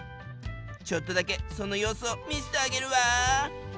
ちょっとだけその様子を見せてあげるわ。